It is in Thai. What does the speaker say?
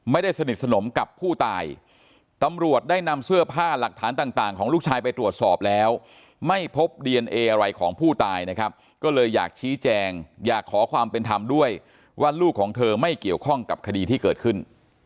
ไม่พบดีเอนเออะไรของผู้ตายก็เลยอยากชี้แจงอยากขอความเป็นธรรมด้วยว่าลูกของเธอไม่เกี่ยวข้องกับคดีที่เกิดขึ้น